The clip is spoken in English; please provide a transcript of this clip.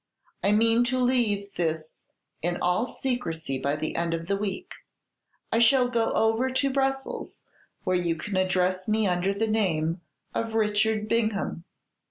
I mean to leave this in all secrecy by the end of the week. I shall go over to Brussels, where you can address me under the name of Richard Bingham.